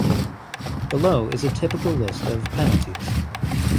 Below is a typical list of penalties.